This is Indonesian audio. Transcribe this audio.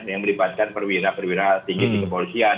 yang melibatkan perwira perwira tinggi di kepolisian